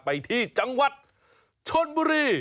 ไปที่จังหวัดชนบุรี